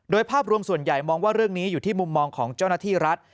โดยภาพรวมส่วนใหญ่มองว่าเรื่องนี้อยู่ที่มุมมองของเจ้าหน้าที่รัฐ